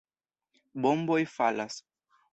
Bomboj falas.